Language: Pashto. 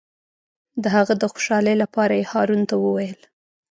د هغه د خوشحالۍ لپاره یې هارون ته وویل.